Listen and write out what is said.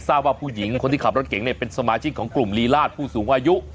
ทราบว่าผู้หญิงคนที่ขับรถเก่งเป็นสมาชิกของกลุ่มลีลาดผู้สูงอายุ